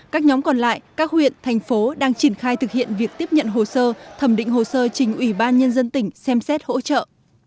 các huyện thành phố đang triển khai thực hiện việc tiếp nhận hồ sơ thẩm định hồ sơ trình ủy ban nhân dân tỉnh xem xét hỗ trợ